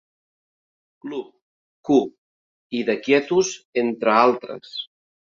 Club", "Q" i "The Quietus", entre altres.